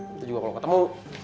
nanti juga kalau ketemu